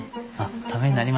ためになりました。